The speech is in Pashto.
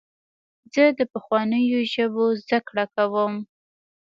زه د پخوانیو ژبو زدهکړه کوم.